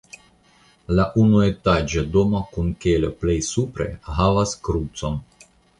La unuetaĝa domo kun kelo plej supre havas krucon.